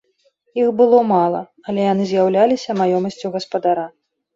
Іх было мала, але яны з'яўляліся маёмасцю гаспадара.